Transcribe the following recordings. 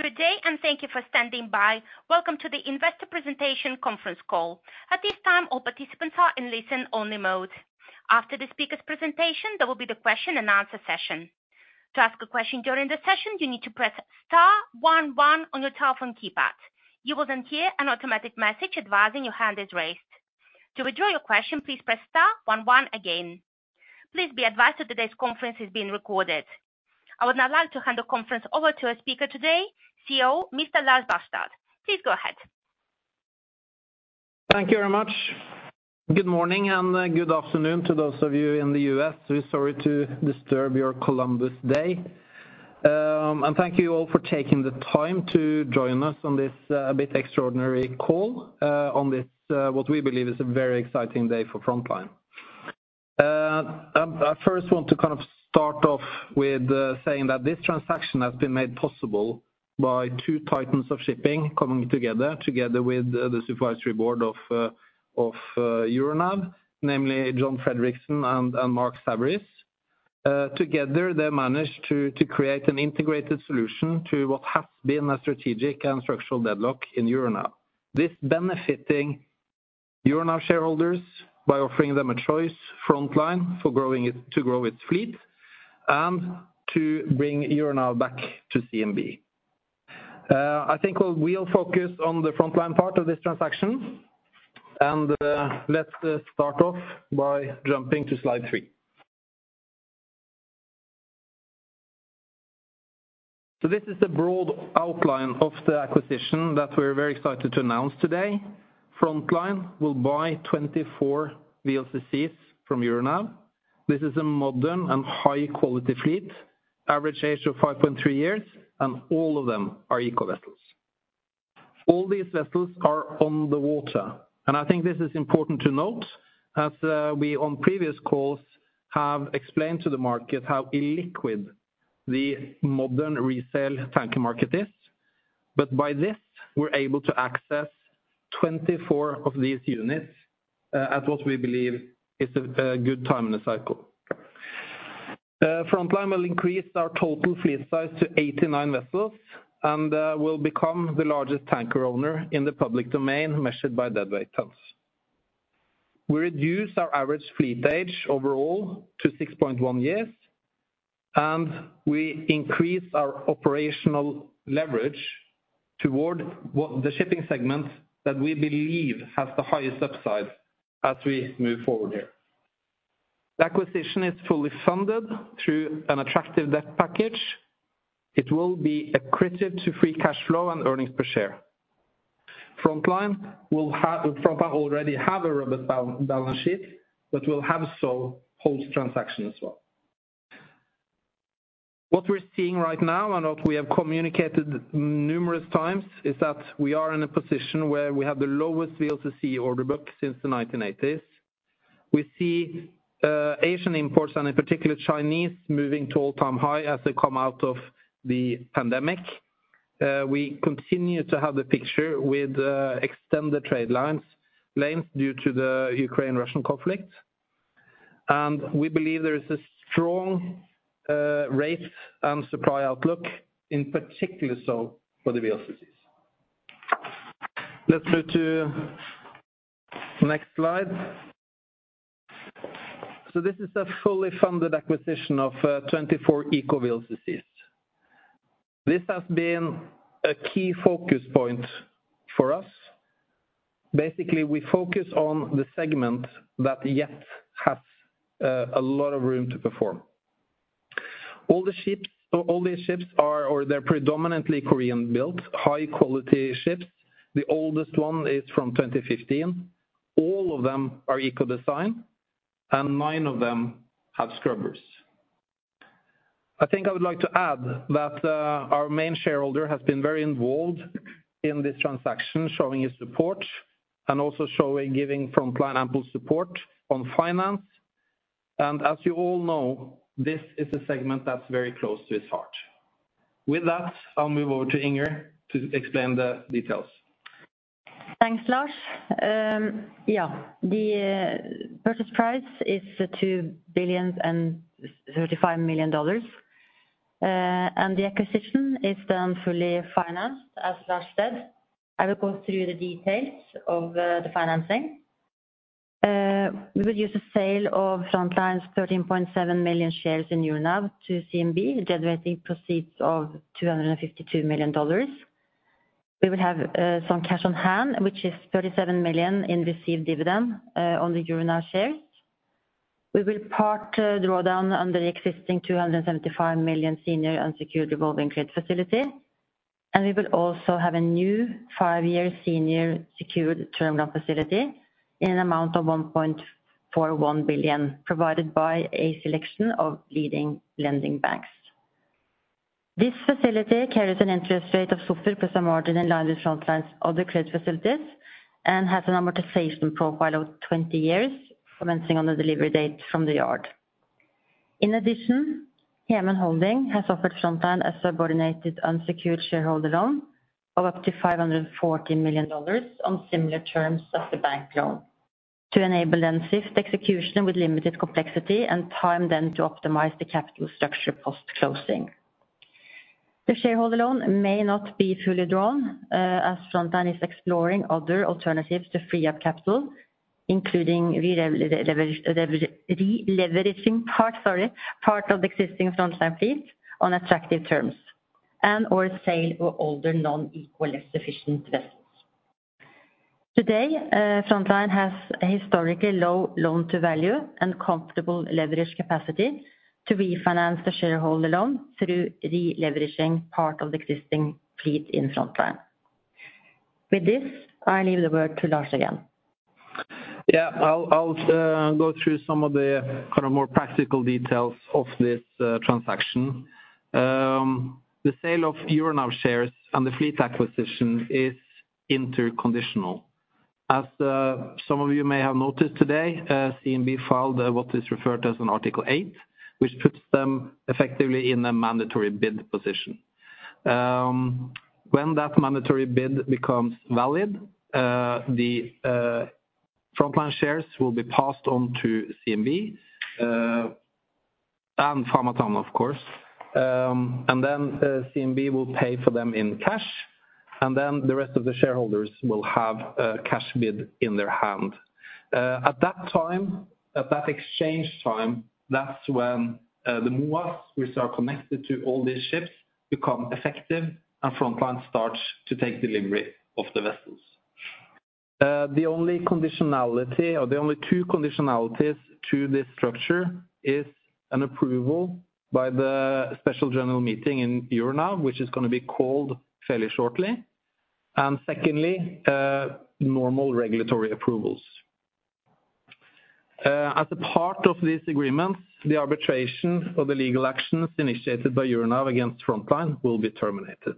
Good day, and thank you for standing by. Welcome to the Investor Presentation Conference Call. At this time, all participants are in listen-only mode. After the speaker's presentation, there will be the question and answer session. To ask a question during the session, you need to press star one one on your telephone keypad. You will then hear an automatic message advising your hand is raised. To withdraw your question, please press star one one again. Please be advised that today's conference is being recorded. I would now like to hand the conference over to our speaker today, CEO, Mr. Lars Barstad. Please go ahead. Thank you very much. Good morning, and good afternoon to those of you in the U.S. We're sorry to disturb your Columbus Day. And thank you all for taking the time to join us on this a bit extraordinary call on this what we believe is a very exciting day for Frontline. I first want to kind of start off with saying that this transaction has been made possible by two titans of shipping coming together, together with the supervisory board of Euronav, namely John Fredriksen and Marc Saverys. Together, they managed to create an integrated solution to what has been a strategic and structural deadlock in Euronav. This benefiting Euronav shareholders by offering them a choice, Frontline, for growing its—to grow its fleet, and to bring Euronav back to CMB. I think we'll, we'll focus on the Frontline part of this transaction. Let's start off by jumping to slide three. This is the broad outline of the acquisition that we're very excited to announce today. Frontline will buy 24 VLCCs from Euronav. This is a modern and high quality fleet, average age of 5.3 years, and all of them are ECO vessels. All these vessels are on the water, and I think this is important to note, as we on previous calls have explained to the market how illiquid the modern resale tanker market is. But by this, we're able to access 24 of these units at what we believe is a good time in the cycle. Frontline will increase our total fleet size to 89 vessels and will become the largest tanker owner in the public domain, measured by deadweight tons. We reduce our average fleet age overall to 6.1 years, and we increase our operational leverage toward what the shipping segment that we believe has the highest upside as we move forward here. The acquisition is fully funded through an attractive debt package. It will be accretive to free cash flow and earnings per share. Frontline will have—Frontline already has a robust balance sheet, but will have so post-transaction as well. What we're seeing right now, and what we have communicated numerous times, is that we are in a position where we have the lowest VLCC order book since the 1980s. We see Asian imports, and in particular Chinese, moving to all-time high as they come out of the pandemic. We continue to have the picture with extended trade line lengths due to the Ukraine-Russia conflict. We believe there is a strong rate and supply outlook, in particular so for the VLCCs. Let's move to next slide. So this is a fully funded acquisition of 24 ECO VLCCs. This has been a key focus point for us. Basically, we focus on the segment that yet has a lot of room to perform. All these ships are predominantly Korean-built, high quality ships. The oldest one is from 2015. All of them are ECO design, and nine of them have scrubbers. I think I would like to add that, our main shareholder has been very involved in this transaction, showing his support and also showing, giving Frontline ample support on finance. As you all know, this is a segment that's very close to his heart. With that, I'll move over to Inger to explain the details. Thanks, Lars. Yeah, the purchase price is $2,035,000,000. And the acquisition is done fully financed, as Lars said. I will go through the details of the financing. We will use a sale of Frontline's 13.7 million shares in Euronav to CMB, generating proceeds of $252 million. We will have some cash on hand, which is $37 million in received dividend on the Euronav shares. We will part draw down under the existing $275 million senior unsecured revolving credit facility, and we will also have a new five-year senior secured term loan facility in an amount of $1.41 billion, provided by a selection of leading lending banks. This facility carries an interest rate of SOFR plus a margin in line with Frontline's other credit facilities and has an amortization profile of 20 years, commencing on the delivery date from the yard. In addition, Hemen Holding has offered Frontline a subordinated unsecured shareholder loan of up to $514 million on similar terms as the bank loan to enable them swift execution with limited complexity and time to optimize the capital structure post-closing. The shareholder loan may not be fully drawn, as Frontline is exploring other alternatives to free up capital, including releveraging part, sorry, part of the existing Frontline fleet on attractive terms, and or sale of older non-ECO less efficient vessels. Today, Frontline has a historically low loan to value and comfortable leverage capacity to refinance the shareholder loan through the leveraging part of the existing fleet in Frontline. With this, I leave the word to Lars again. Yeah, I'll go through some of the kind of more practical details of this transaction. The sale of Euronav shares and the fleet acquisition is interconditional. As some of you may have noticed today, CMB filed what is referred to as an Article 8, which puts them effectively in a mandatory bid position. When that mandatory bid becomes valid, the Frontline shares will be passed on to CMB and Famatown, of course. And then CMB will pay for them in cash, and then the rest of the shareholders will have a cash bid in their hand. At that time, at that exchange time, that's when the MOAs, which are connected to all these ships, become effective and Frontline starts to take delivery of the vessels. The only conditionality or the only two conditionalities to this structure is an approval by the special general meeting in Euronav, which is gonna be called fairly shortly, and secondly, normal regulatory approvals. As a part of these agreements, the arbitration or the legal actions initiated by Euronav against Frontline will be terminated.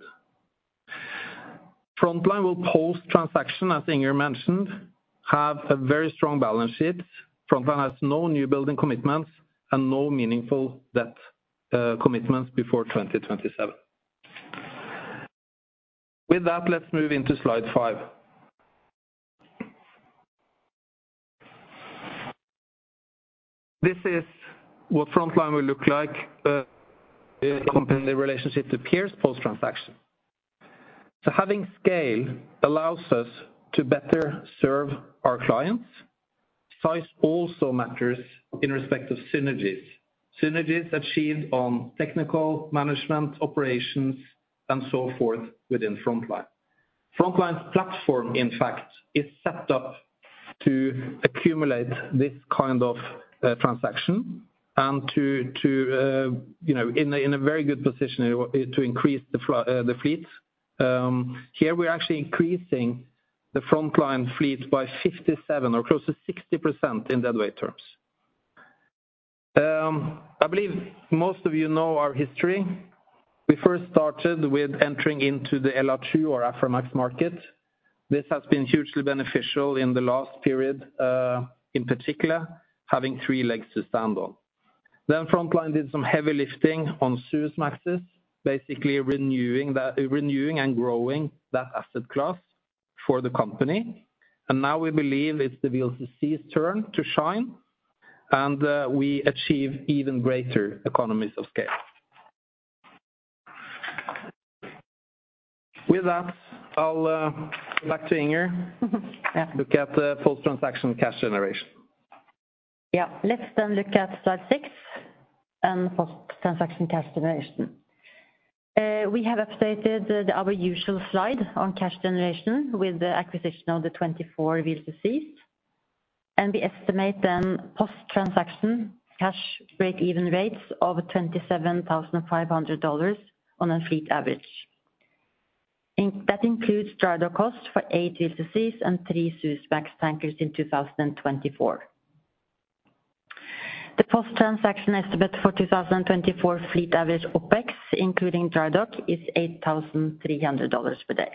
Frontline will post transaction, as Inger mentioned, have a very strong balance sheet. Frontline has no new building commitments and no meaningful debt commitments before 2027. With that, let's move into slide five. This is what Frontline will look like, in the relationship to peers post-transaction. So having scale allows us to better serve our clients. Size also matters in respect to synergies. Synergies achieved on technical management, operations, and so forth within Frontline. Frontline's platform, in fact, is set up to accumulate this kind of, you know, transaction and to, to, you know, in a very good position to increase the fro- the fleet. Here we're actually increasing the Frontline fleet by 57% or close to 60% in deadweight tons. I believe most of you know our history. We first started with entering into the LR2/Aframax market. This has been hugely beneficial in the last period, in particular, having three legs to stand on. Frontline did some heavy lifting on Suezmaxes, basically renewing that, renewing and growing that asset class for the company. Now we believe it's the VLCC's turn to shine, and we achieve even greater economies of scale. With that, I'll go back to Inger. Yeah. Look at the post-transaction cash generation. Yeah, let's then look at slide six and post-transaction cash generation. We have updated our usual slide on cash generation with the acquisition of the 24 VLCCs, and we estimate then post-transaction cash break-even rates of $27,500 on a fleet average. Including that includes drydock costs for eight VLCCs and three Suezmax tankers in 2024. The post-transaction estimate for 2024 fleet average OpEx, including drydock, is $8,300 per day.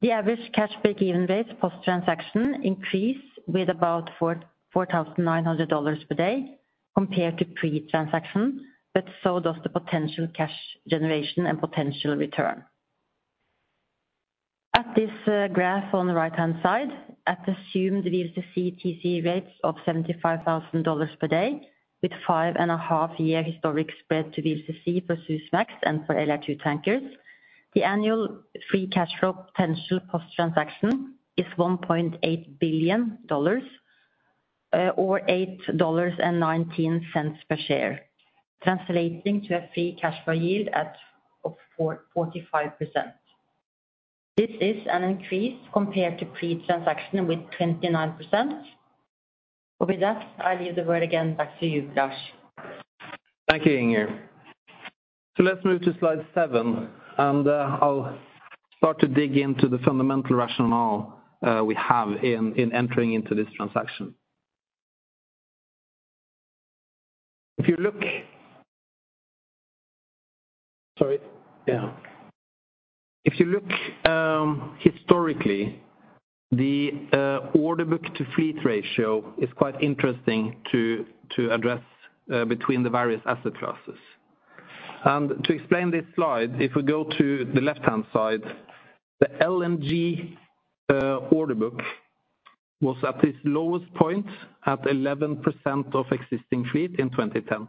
The average cash break-even rate post-transaction increase with about $4,900 per day compared to pre-transaction, but so does the potential cash generation and potential return. At this graph on the right-hand side, at assumed VLCC TCE rates of $75,000 per day, with 5.5-year historic spread to VLCC for Suezmax and for LR2 tankers, the annual free cash flow potential post-transaction is $1.8 billion, or $8.19 per share, translating to a free cash flow yield at of 45%. This is an increase compared to pre-transaction with 29%. But with that, I leave the word again back to you, Lars. Thank you, Inger. So let's move to slide seven, and I'll start to dig into the fundamental rationale we have in entering into this transaction. If you look, historically, the order book to fleet ratio is quite interesting to address between the various asset classes. And to explain this slide, if we go to the left-hand side, the LNG order book was at its lowest point at 11% of existing fleet in 2010.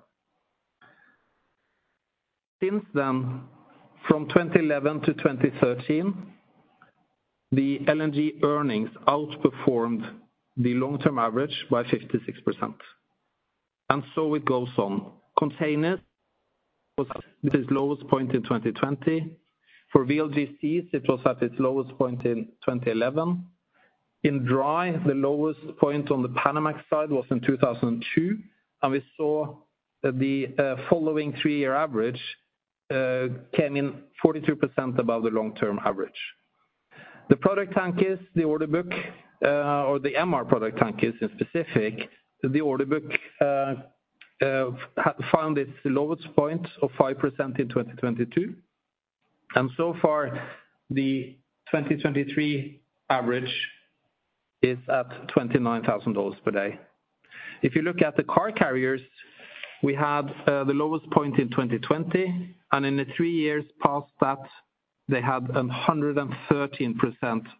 Since then, from 2011 to 2013, the LNG earnings outperformed the long-term average by 56%, and so it goes on. Containers was at its lowest point in 2020. For VLGCs, it was at its lowest point in 2011. In dry, the lowest point on the Panamax side was in 2002, and we saw that the following three-year average came in 42% above the long-term average. The product tankers, the order book, or the MR product tankers, in specific, the order book had found its lowest point of 5% in 2022, and so far, the 2023 average is at $29,000 per day. If you look at the car carriers, we had the lowest point in 2020, and in the three years past that, they had 113%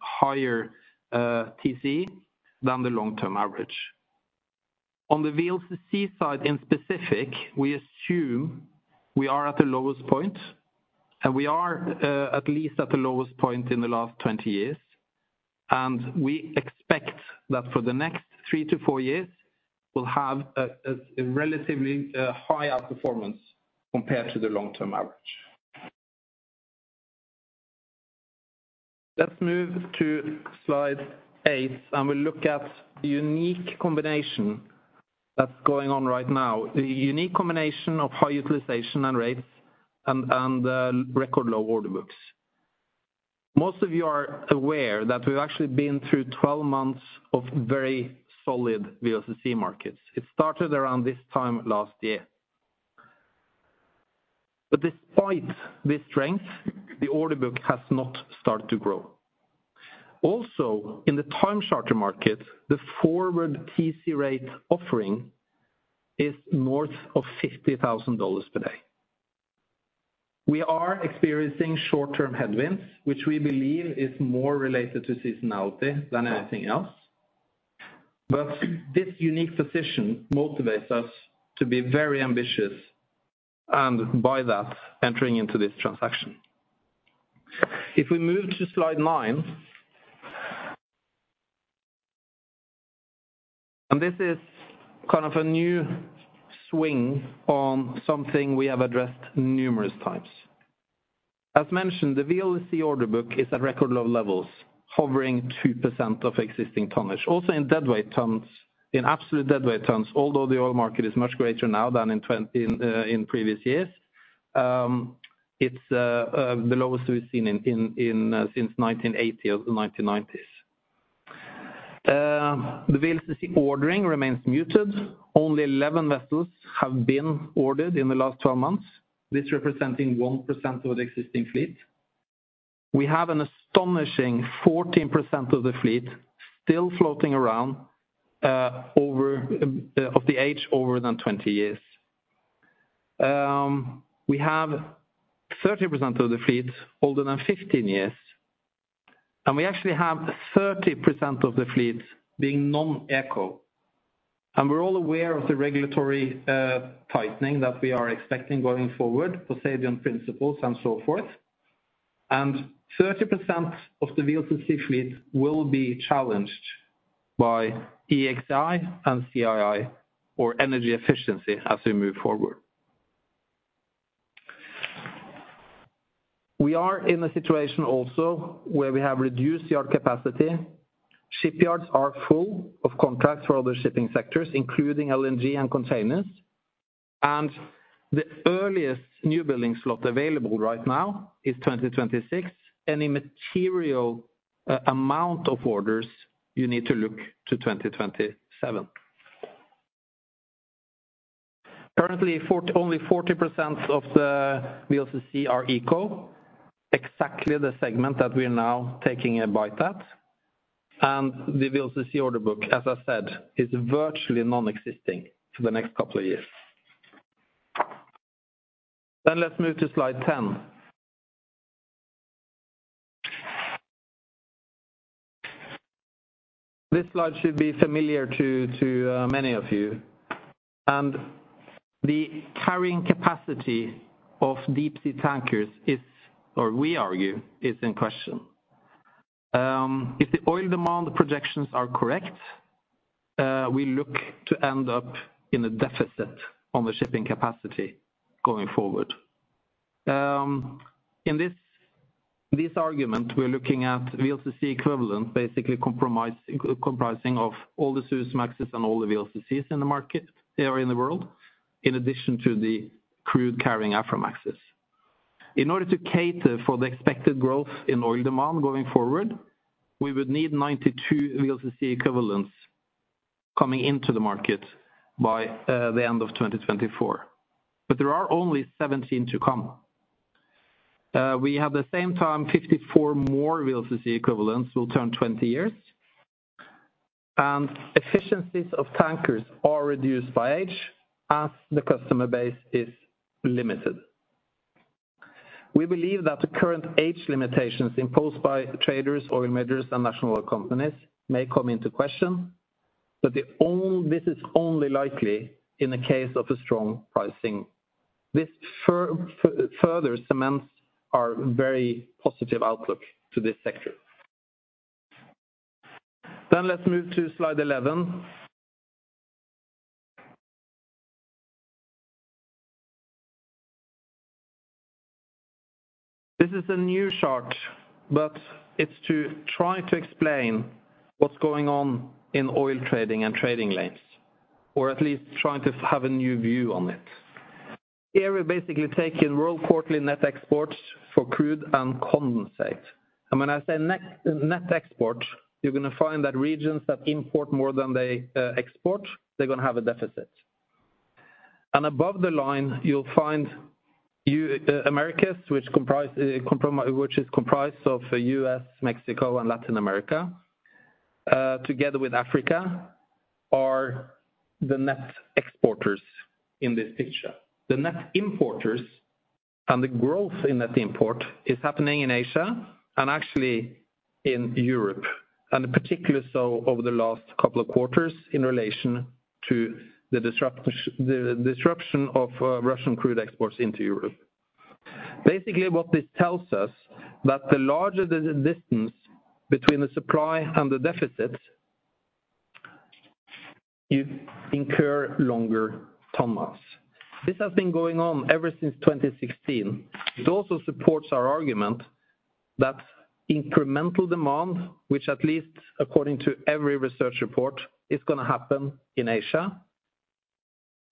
higher TC than the long-term average. On the VLCC side, in specific, we assume we are at the lowest point, and we are at least at the lowest point in the last 20 years. We expect that for the next three to four years, we'll have a relatively high outperformance compared to the long-term average. Let's move to slide eight, and we look at the unique combination that's going on right now. The unique combination of high utilization and rates, and record low order books. Most of you are aware that we've actually been through 12 months of very solid VLCC markets. It started around this time last year. Despite this strength, the order book has not started to grow. Also, in the time charter market, the forward TC rate offering is north of $50,000 per day. We are experiencing short-term headwinds, which we believe is more related to seasonality than anything else. This unique position motivates us to be very ambitious, and by that, entering into this transaction. If we move to slide nine, this is kind of a new swing on something we have addressed numerous times. As mentioned, the VLCC order book is at record low levels, hovering at 2% of existing tonnage. Also, in deadweight tons, in absolute deadweight tons, although the oil market is much greater now than in 2020, in previous years, it's the lowest we've seen since 1980 or 1990s. The VLCC ordering remains muted. Only 11 vessels have been ordered in the last 12 months, this representing 1% of the existing fleet. We have an astonishing 14% of the fleet still floating around, over the age of 20 years. We have 30% of the fleet older than 15 years, and we actually have 30% of the fleet being non-ECO. And we're all aware of the regulatory tightening that we are expecting going forward, Poseidon Principles and so forth. And 30% of the VLCC fleet will be challenged by EEXI and CII or energy efficiency as we move forward. We are in a situation also where we have reduced yard capacity. Shipyards are full of contracts for other shipping sectors, including LNG and containers, and the earliest newbuilding slot available right now is 2026. Any material amount of orders, you need to look to 2027. Currently, only 40% of the VLCC are ECO, exactly the segment that we are now taking a bite at. And the VLCC order book, as I said, is virtually nonexistent for the next couple of years. Then let's move to slide 10. This slide should be familiar to many of you. The carrying capacity of deep sea tankers is, or we argue, is in question. If the oil demand projections are correct, we look to end up in a deficit on the shipping capacity going forward. In this, this argument, we're looking at VLCC equivalent, basically comprising of all the Suezmaxes and all the VLCCs in the market area in the world, in addition to the crude-carrying Aframaxes. In order to cater for the expected growth in oil demand going forward, we would need 92 VLCC equivalents coming into the market by the end of 2024, but there are only 17 to come. At the same time 54 more VLCC equivalents will turn 20 years. And efficiencies of tankers are reduced by age as the customer base is limited. We believe that the current age limitations imposed by traders, oil majors, and national oil companies may come into question, but this is only likely in the case of a strong pricing. This further cements our very positive outlook to this sector. Then let's move to slide 11. This is a new chart, but it's to try to explain what's going on in oil trading and trading lanes, or at least trying to have a new view on it. Here, we're basically taking world quarterly net exports for crude and condensate. And when I say net, net export, you're gonna find that regions that import more than they export, they're gonna have a deficit. Above the line, you'll find Americas, which comprise, which is comprised of U.S., Mexico, and Latin America, together with Africa, are the net exporters in this picture. The net importers and the growth in net import is happening in Asia and actually in Europe, and particularly so over the last couple of quarters in relation to the disruption of Russian crude exports into Europe. Basically, what this tells us, that the larger the distance between the supply and the deficit, you incur longer ton miles. This has been going on ever since 2016. It also supports our argument that incremental demand, which at least according to every research report, is gonna happen in Asia,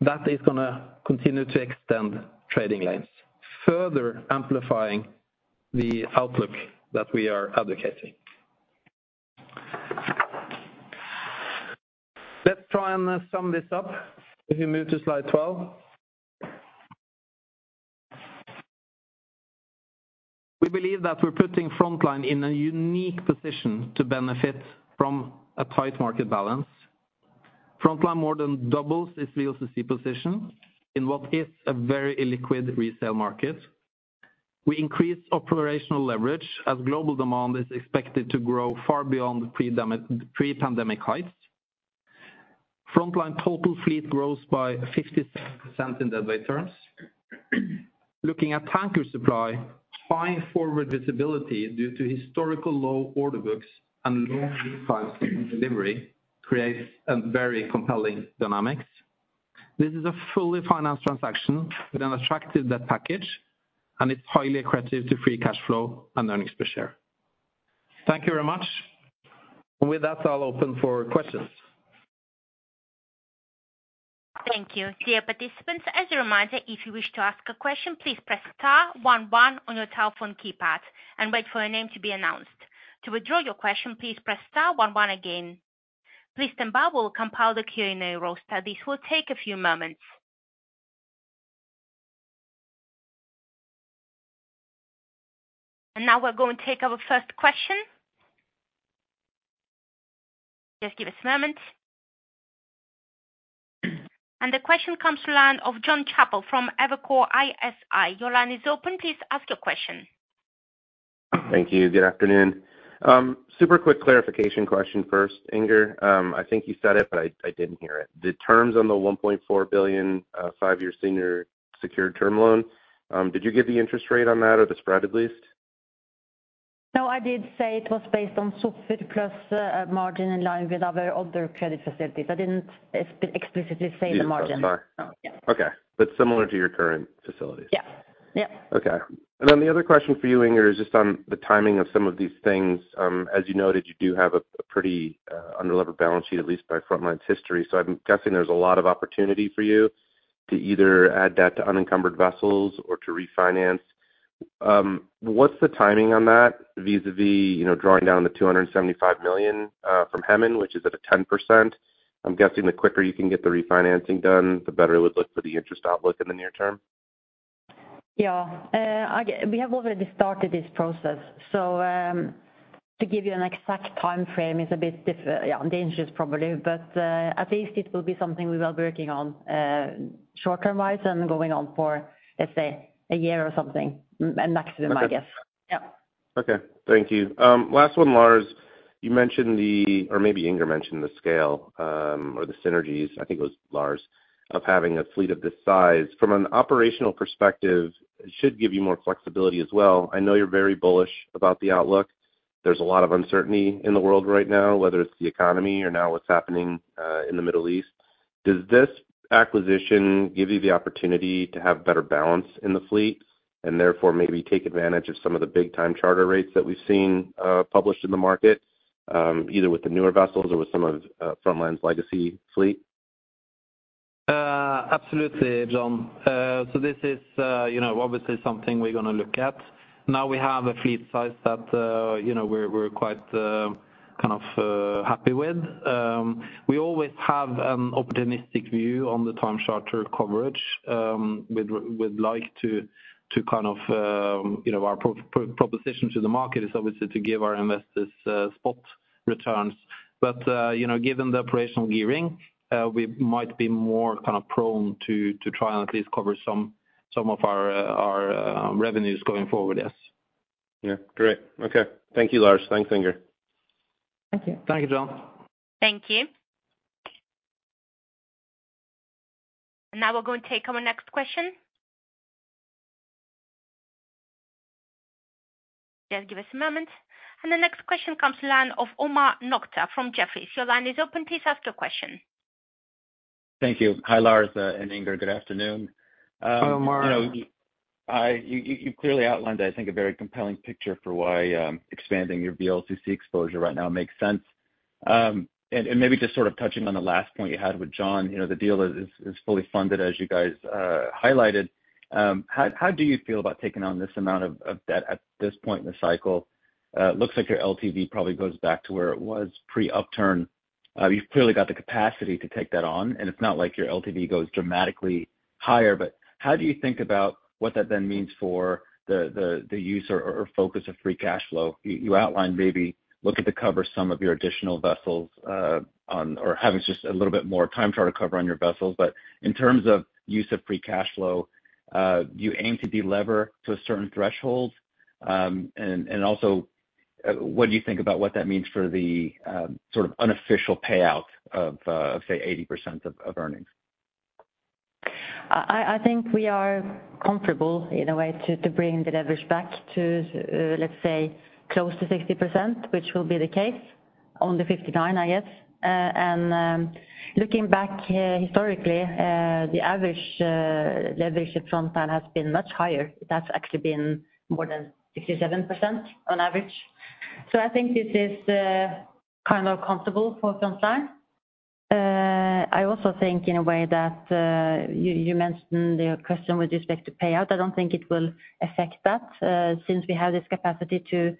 that is gonna continue to extend trading lanes, further amplifying the outlook that we are advocating. Let's try and sum this up if we move to slide 12. We believe that we're putting Frontline in a unique position to benefit from a tight market balance. Frontline more than doubles its VLCC position in what is a very illiquid resale market. We increase operational leverage as global demand is expected to grow far beyond pre-pandemic heights. Frontline total fleet grows by 57% in deadweight tons. Looking at tanker supply, high forward visibility due to historical low order books and delivery creates a very compelling dynamics. This is a fully financed transaction with an attractive debt package, and it's highly accretive to free cash flow and earnings per share. Thank you very much. With that, I'll open for questions. Thank you. Dear participants, as a reminder, if you wish to ask a question, please press star one one on your telephone keypad and wait for your name to be announced. To withdraw your question, please press star one one again. Please stand by, we'll compile the Q&A roster. This will take a few moments. Now we're going to take our first question. Just give us a moment. The question comes to the line of Jon Chappell from Evercore ISI. Your line is open. Please ask your question. Thank you. Good afternoon. Super quick clarification question first, Inger. I think you said it, but I didn't hear it. The terms on the $1.4 billion five-year senior secured term loan, did you give the interest rate on that or the spread at least? No, I did say it was based on SOFR plus a margin in line with other credit facilities. I didn't explicitly say the margin. Yes, I'm sorry. No, yeah. Okay, but similar to your current facilities? Yeah. Yeah. Okay. And then the other question for you, Inger, is just on the timing of some of these things. As you noted, you do have a pretty unlevered balance sheet, at least by Frontline's history. So I'm guessing there's a lot of opportunity for you to either add that to unencumbered vessels or to refinance. What's the timing on that vis-a-vis, you know, drawing down the $275 million from Hemen, which is at a 10%? I'm guessing the quicker you can get the refinancing done, the better it would look for the interest outlook in the near term. Yeah. We have already started this process, so, to give you an exact timeframe is a bit difficult, yeah, dangerous, probably. But, at least it will be something we are working on, short term-wise and going on for, let's say, a year or something, maximum, I guess. Okay. Yeah. Okay. Thank you. Last one, Lars. You mentioned the, or maybe Inger mentioned the scale, or the synergies, I think it was Lars, of having a fleet of this size. From an operational perspective, it should give you more flexibility as well. I know you're very bullish about the outlook. There's a lot of uncertainty in the world right now, whether it's the economy or now what's happening in the Middle East. Does this acquisition give you the opportunity to have better balance in the fleet, and therefore maybe take advantage of some of the big time charter rates that we've seen published in the market, either with the newer vessels or with some of Frontline's legacy fleet? Absolutely, Jon. So this is, you know, obviously something we're gonna look at. Now we have a fleet size that, you know, we're quite kind of happy with. We always have an optimistic view on the time charter coverage. We'd like to kind of, you know, our proposition to the market is obviously to give our investors spot returns. But, you know, given the operational gearing, we might be more kind of prone to try and at least cover some of our revenues going forward, yes. Yeah. Great. Okay. Thank you, Lars. Thanks, Inger. Thank you. Thank you, Jon. Thank you. Now we're going to take our next question. Just give us a moment. The next question comes from the line of Omar Nokta from Jefferies. Your line is open. Please ask your question. Thank you. Hi, Lars and Inger, good afternoon. Hi, Omar. You know, I-- you, you, you clearly outlined, I think, a very compelling picture for why, you know, expanding your VLCC exposure right now makes sense. And maybe just sort of touching on the last point you had with Jon, you know, the deal is, is, is fully funded, as you guys highlighted. How do you feel about taking on this amount of debt at this point in the cycle? It looks like your LTV probably goes back to where it was pre-upturn. You've clearly got the capacity to take that on, and it's not like your LTV goes dramatically higher, but how do you think about what that then means for the use or focus of free cash flow? You, you outlined maybe looking to cover some of your additional vessels, on or having just a little bit more time try to cover on your vessels. But in terms of use of free cash flow, do you aim to delever to a certain threshold? And also, what do you think about what that means for the sort of unofficial payout of, say, 80% of earnings? I think we are comfortable in a way to bring the leverage back to, let's say, close to 60%, which will be the case, only 59%, I guess. And looking back historically, the average leverage at Frontline has been much higher. That's actually been more than 67% on average. So I think this is kind of comfortable for Frontline. I also think in a way that you mentioned the question with respect to payout. I don't think it will affect that, since we have this capacity to,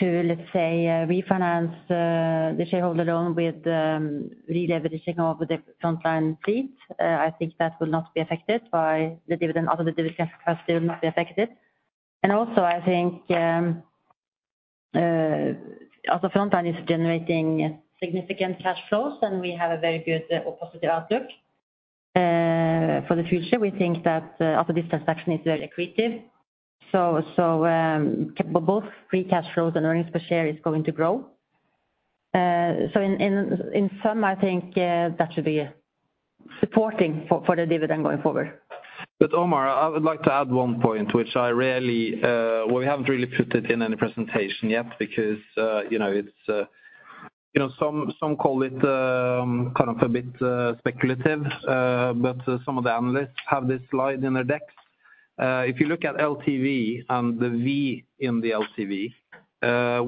let's say, refinance the shareholder loan with re-leveraging of the Frontline fleet. I think that will not be affected by the dividend, or the dividend will still not be affected. And also, I think, Frontline is generating significant cash flows, and we have a very good or positive outlook for the future. We think that after this transaction is very accretive, so both free cash flows and earnings per share is going to grow. So in sum, I think that should be supporting for the dividend going forward. But, Omar, I would like to add one point, which I rarely... we haven't really put it in any presentation yet, because, you know, it's, you know, some, some call it, kind of a bit, speculative, but some of the analysts have this slide in their decks. If you look at LTV and the V in the LTV,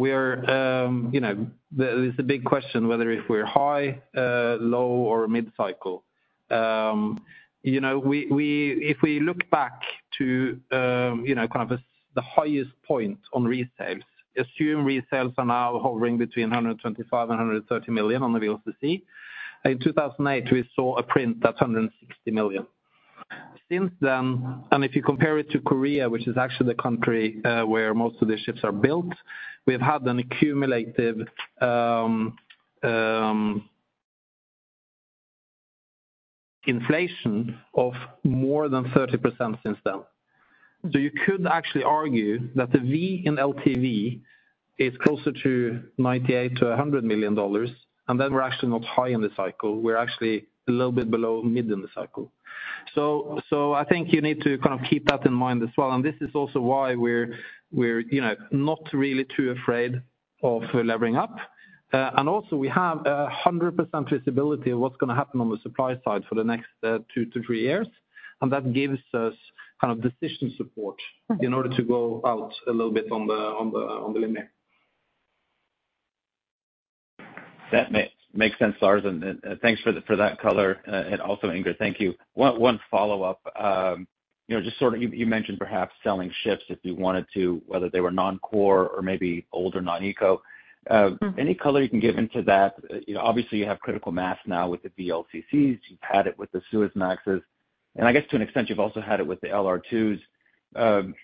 we are, you know, there is a big question whether if we're high, low, or mid-cycle. You know, we, we- if we look back to, you know, kind of as the highest point on resales, assume resales are now hovering between $125 million and $130 million on the VLCC. In 2008, we saw a print that's $160 million. Since then, and if you compare it to Korea, which is actually the country where most of the ships are built, we've had an accumulative inflation of more than 30% since then. So you could actually argue that the V in LTV is closer to $98 million-$100 million, and then we're actually not high in the cycle. We're actually a little bit below mid in the cycle. So I think you need to kind of keep that in mind as well, and this is also why we're, you know, not really too afraid of levering up. And also we have 100% visibility of what's going to happen on the supply side for the next two to three years, and that gives us kind of decision support. Mm-hmm. In order to go out a little bit on the limit. That makes sense, Lars, and thanks for that color, and also, Inger, thank you. One follow-up. You know, just sort of you mentioned perhaps selling ships if you wanted to, whether they were non-core or maybe older, non-ECO. Mm-hmm. Any color you can give into that? You know, obviously, you have critical mass now with the VLCCs. You've had it with the Suezmaxes, and I guess to an extent, you've also had it with the LR2s.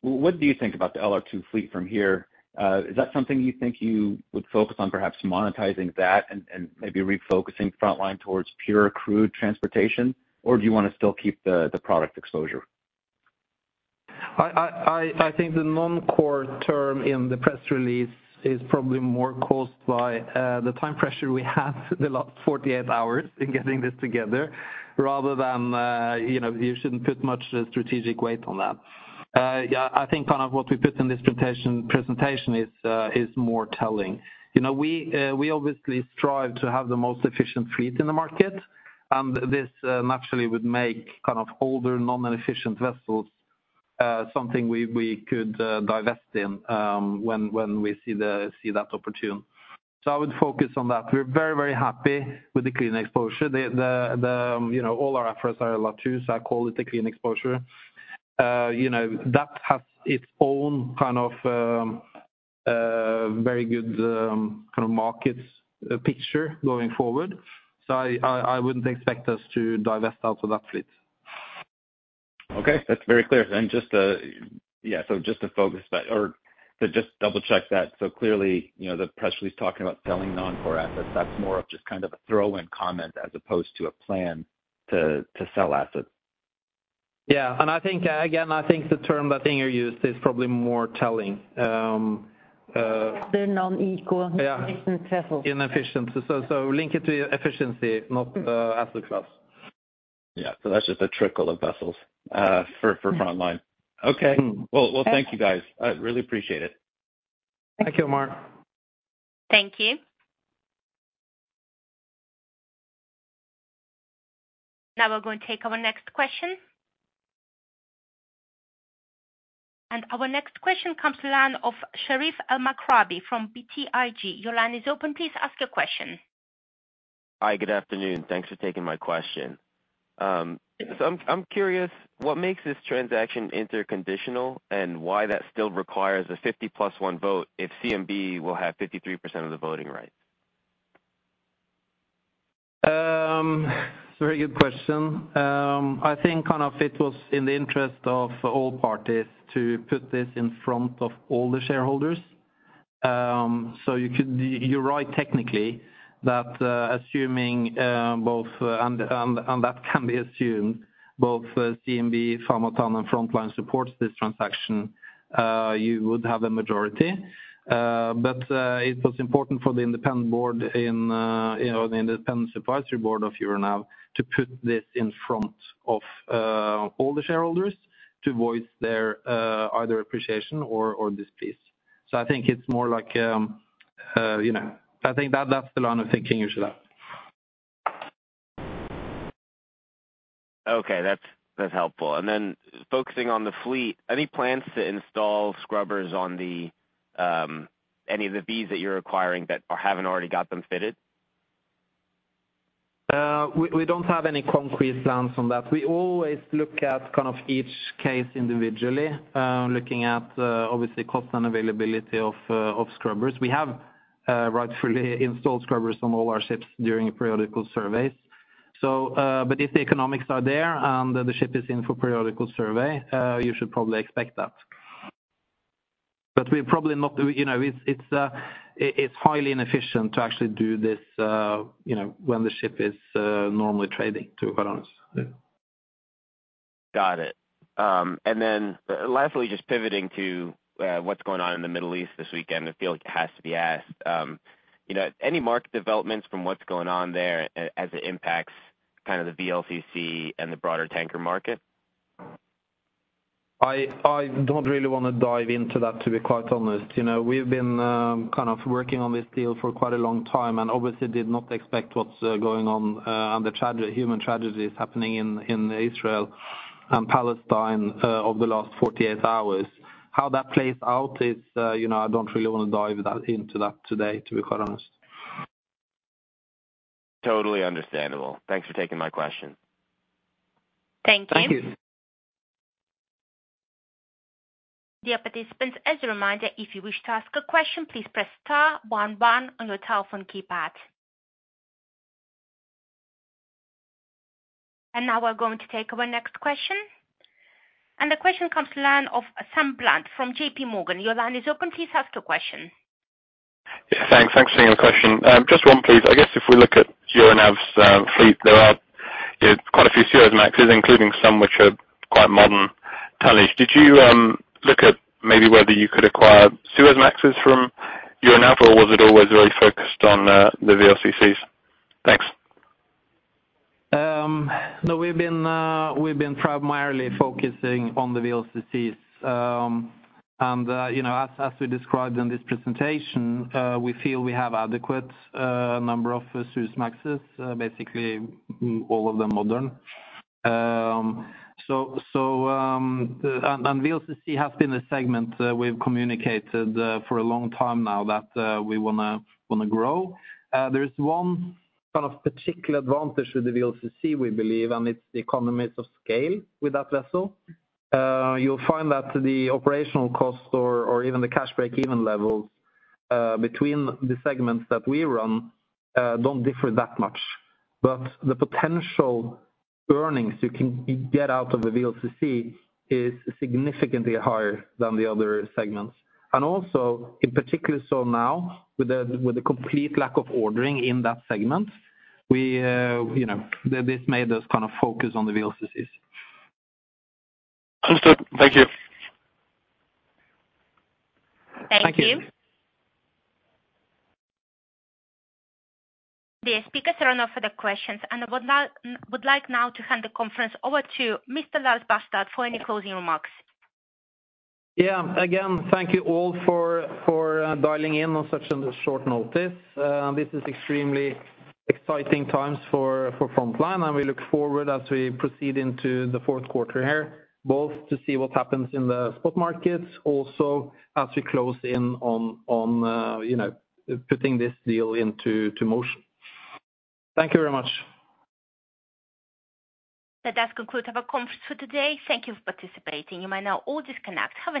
What do you think about the LR2 fleet from here? Is that something you think you would focus on, perhaps monetizing that and, and maybe refocusing Frontline towards pure crude transportation, or do you want to still keep the, the product exposure? I think the non-core term in the press release is probably more caused by the time pressure we have the last 48 hours in getting this together, rather than, you know, you shouldn't put much strategic weight on that. Yeah, I think kind of what we put in this presentation is more telling. You know, we obviously strive to have the most efficient fleet in the market, and this naturally would make kind of older, non-efficient vessels something we could divest in when we see that opportune. So I would focus on that. We're very, very happy with the clean exposure. The, the, the, you know, all our efforts are allowed to, so I call it the clean exposure.... you know, that has its own kind of very good kind of markets picture going forward. So I wouldn't expect us to divest out of that fleet. Okay, that's very clear. And just, yeah, so just to focus or to just double check that, so clearly, you know, the press release talking about selling non-core assets, that's more of just kind of a throw-in comment as opposed to a plan to, to sell assets? Yeah, and I think, again, I think the term that you used is probably more telling, The non-ECO- Yeah Inefficient vessel. Inefficient. So, so link it to efficiency, not asset class. Yeah. So that's just a trickle of vessels for Frontline. Okay. Mm-hmm. Well, well, thank you, guys. I really appreciate it. Thank you, Omar. Thank you. Now we're going to take our next question. Our next question comes to the line of Sherif Elmaghrabi from BTIG. Your line is open. Please ask your question. Hi, good afternoon. Thanks for taking my question. So I'm curious, what makes this transaction interconditional, and why that still requires a 50 + 1 vote if CMB will have 53% of the voting rights? Very good question. I think kind of it was in the interest of all parties to put this in front of all the shareholders. So you could... You're right technically, that assuming both, and that can be assumed, both CMB, Famatown, and Frontline supports this transaction, you would have a majority. But it was important for the independent board in, you know, the independent advisory board of Euronav, to put this in front of all the shareholders to voice their either appreciation or displease. So I think it's more like, you know, I think that's the line of thinking you should have. Okay, that's, that's helpful. Focusing on the fleet, any plans to install scrubbers on the, any of the V's that you're acquiring that or haven't already got them fitted? We don't have any concrete plans on that. We always look at kind of each case individually, looking at obviously, cost and availability of scrubbers. We have rightfully installed scrubbers on all our ships during periodical surveys. So, but if the economics are there, and the ship is in for periodical survey, you should probably expect that. But we're probably not, you know, it's highly inefficient to actually do this, you know, when the ship is normally trading, to be quite honest. Yeah. Got it. And then lastly, just pivoting to what's going on in the Middle East this weekend. I feel it has to be asked, you know, any market developments from what's going on there as it impacts kind of the VLCC and the broader tanker market? I don't really want to dive into that, to be quite honest. You know, we've been kind of working on this deal for quite a long time, and obviously did not expect what's going on, and the tragedy, human tragedies happening in Israel and Palestine, over the last 48 hours. How that plays out is, you know, I don't really want to dive into that today, to be quite honest. Totally understandable. Thanks for taking my question. Thank you. Thank you. Dear participants, as a reminder, if you wish to ask a question, please press star one one on your telephone keypad. Now we're going to take our next question. The question comes to line of Sam Bland from JPMorgan. Your line is open. Please ask your question. Thanks. Thanks for taking my question. Just one, please. I guess if we look at Euronav's fleet, there are quite a few Suezmaxes, including some which are quite modern tonnage. Did you look at maybe whether you could acquire Suezmaxes from Euronav, or was it always very focused on the VLCCs? Thanks. No, we've been, we've been primarily focusing on the VLCCs. And, you know, as, as we described in this presentation, we feel we have adequate, number of Suezmaxes, basically all of them modern. So, so, and, and VLCC has been a segment, we've communicated, for a long time now that, we wanna, wanna grow. There is one kind of particular advantage with the VLCC, we believe, and it's the economies of scale with that vessel. You'll find that the operational costs or, or even the cash break-even levels, between the segments that we run, don't differ that much. But the potential earnings you can get out of the VLCC is significantly higher than the other segments. Also, in particular, so now, with the complete lack of ordering in that segment, we, you know, this made us kind of focus on the VLCCs. Understood. Thank you. Thank you. Thank you. The speakers are now for the questions, and I would like now to hand the conference over to Mr. Lars Barstad for any closing remarks. Yeah. Again, thank you all for dialing in on such a short notice. This is extremely exciting times for Frontline, and we look forward as we proceed into the fourth quarter here, both to see what happens in the spot markets, also as we close in on you know, putting this deal into motion. Thank you very much. That does conclude our conference for today. Thank you for participating. You might now all disconnect. Have a nice day.